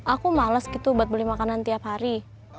aku males gitu buat beli makanan tiap hari